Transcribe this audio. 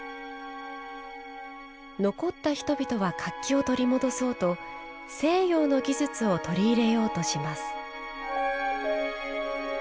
残った人々は活気を取り戻そうと西洋の技術を取り入れようとします。